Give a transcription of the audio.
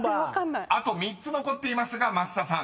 ［あと３つ残っていますが増田さん］